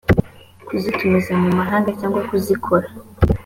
kuzitumiza mu mahanga cyangwa kuzikora